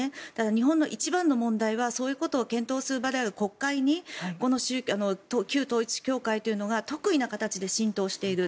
日本の一番の問題はそういうことを検討する場である国会に旧統一教会というのが特異な形で浸透している。